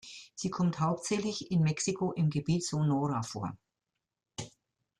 Sie kommt hauptsächlich in Mexiko im Gebiet Sonora vor.